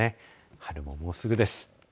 春ももうすぐです。